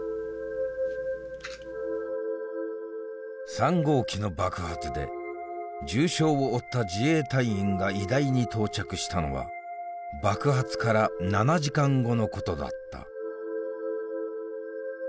３号機の爆発で重傷を負った自衛隊員が医大に到着したのは爆発から７時間後のことだった。